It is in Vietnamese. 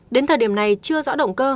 đến thời điểm này chưa rõ động cơ